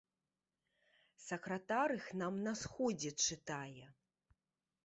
Сакратар іх нам на сходзе чытае.